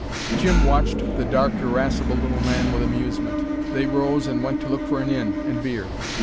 Jim watched the dark, irascible little man with amusement. They rose, and went to look for an inn, and beer.